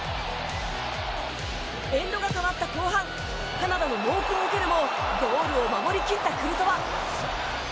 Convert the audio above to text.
エンドが変わった後半カナダの猛攻を受けるもゴールを守りきったクルトワ。